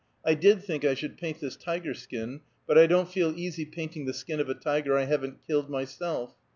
I did think I should paint this tiger skin, but I don't feel easy painting the skin of a tiger I haven't killed myself.